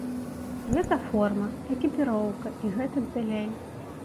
Гэта форма, экіпіроўка і гэтак далей.